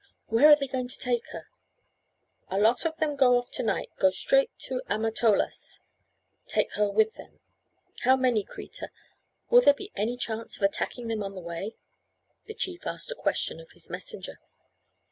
"Where are they going to take her?" "A lot of them go off to night; go straight to Amatolas; take her with them." "How many, Kreta; will there be any chance of attacking them on the way?" The chief asked a question of his messenger.